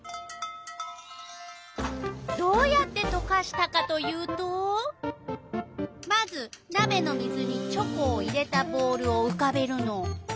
どうやってとかしたかというとまずなべの水にチョコを入れたボウルをうかべるの。